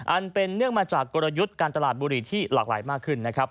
อันเป็นเนื่องมาจากกลยุทธ์การตลาดบุรีที่หลากหลายมากขึ้นนะครับ